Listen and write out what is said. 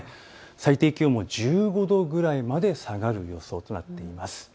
最低気温も１５度くらいまで下がる予想となっています。